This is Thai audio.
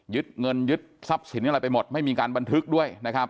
เงินยึดทรัพย์สินอะไรไปหมดไม่มีการบันทึกด้วยนะครับ